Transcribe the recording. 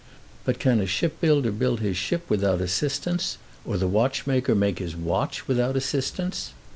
But can a ship builder build his ship single handed, or the watchmaker make his watch without assistance?